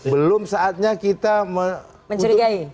belum saatnya kita mencurigai